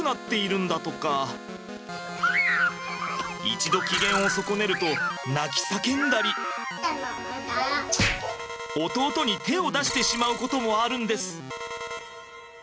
一度機嫌を損ねると泣き叫んだり弟に手を出してしまうこともあるんです。